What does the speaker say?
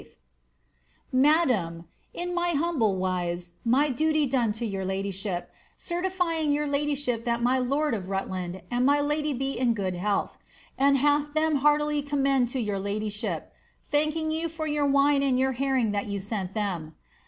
—" Madame, " In my humble wise, my duty done to your ladyship, certifying yoor ladjrship that my lord of Rutland and my lady be in good health, and hath them heartily commended to your ladyship, thanking you for your wine and your herring that you sent them.